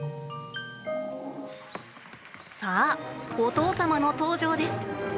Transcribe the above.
さあ、お父様の登場です！